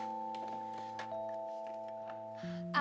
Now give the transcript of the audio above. aku baru tamat kaisernya minggu depan